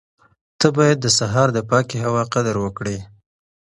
ته باید د سهار د پاکې هوا قدر وکړې.